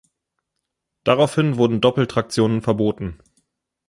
Daraufhin wurden Doppeltraktionen verboten.